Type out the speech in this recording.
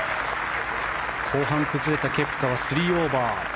後半崩れたケプカは３オーバー。